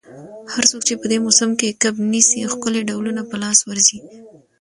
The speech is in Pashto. هر څوک چي په دې موسم کي کب نیسي، ښکلي ډولونه په لاس ورځي.